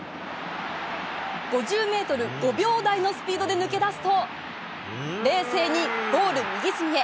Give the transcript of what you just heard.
５０メートル５秒台のスピードで抜け出すと、冷静にゴール右隅へ。